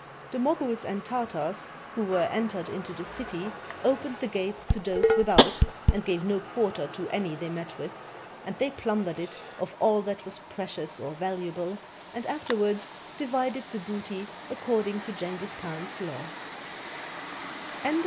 The Moguls and Tartars who were entered into the city opened the gates to those without, and gave no quarter to any they met with; and they plundered it of all that was precious or valuable and afterwards divided the booty according to Jenghiz Khan's law.